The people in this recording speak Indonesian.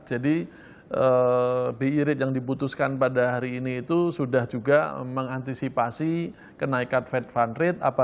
jadi bi rate yang diputuskan pada hari ini itu sudah juga mengantisipasi kenaikan fed fund rate